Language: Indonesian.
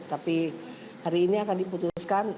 tapi hari ini akan diputuskan